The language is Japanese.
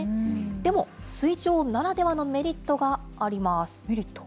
でも水上ならではのメリットがあります。